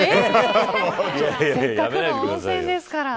せっかくの温泉ですから。